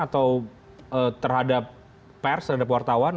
atau terhadap pers terhadap wartawan